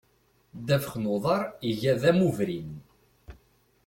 Ddabex n uḍar iga d amubrin.